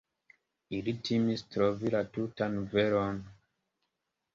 Ili timis trovi la tutan veron.